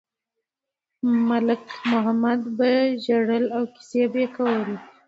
ملک محمد به ژړل او کیسې یې کولې.